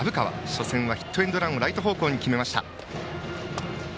初戦はヒットエンドランをライト方向に決めました。